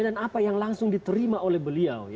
dan apa yang langsung diterima oleh beliau